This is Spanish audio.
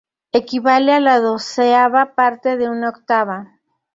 Equivale a la doceava parte de una octava.